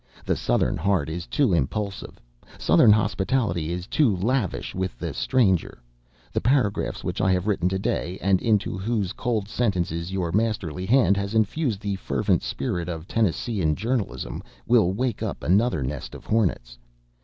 The Southern heart is too impulsive; Southern hospitality is too lavish with the stranger. The paragraphs which I have written to day, and into whose cold sentences your masterly hand has infused the fervent spirit of Tennesseean journalism, will wake up another nest of hornets.